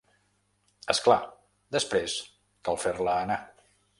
És clar: després cal fer-la anar.